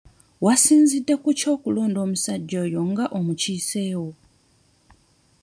Wasinzidde ku ki okulonda omusajja oyo nga omukiisewo?